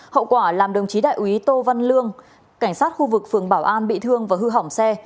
hậu quả làm đồng chí đại úy tô văn lương cảnh sát khu vực phường bảo an bị thương và hư hỏng xe